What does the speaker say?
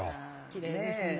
きれいですね。